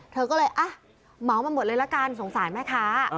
เธอก็เลยอ่ะเหมามาหมดเลยละกันสงสารแม่ค้า